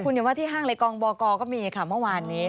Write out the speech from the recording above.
คุณอย่าว่าที่ห้างเลยกองบกก็มีค่ะเมื่อวานนี้